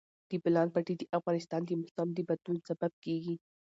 د بولان پټي د افغانستان د موسم د بدلون سبب کېږي.